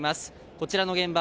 こちらの現場